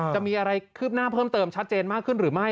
จะมีอะไรคืบหน้าเพิ่มเติมชัดเจนมากขึ้นหรือไม่